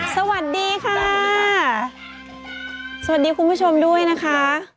สวัสดีค่ะสวัสดีคุณผู้ชมด้วยนะคะ